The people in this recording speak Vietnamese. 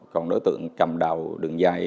còn đối tượng cầm đào đường dài